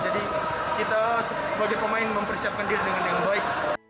jadi kita sebagai pemain mempersiapkan diri dengan yang baik